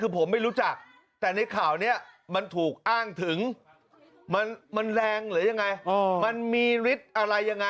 พี่รักเกี่ยวไหมไม่มีอะไรนะ